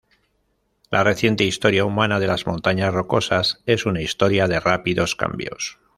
La reciente historia humana de las Montañas Rocosas es una historia de rápidos cambios.